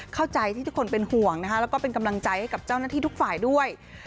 เข้าใจที่ทุกคนเป็นห่วงนะคะแล้วก็เป็นกำลังใจให้กับเจ้าหน้าที่ทุกฝ่ายด้วย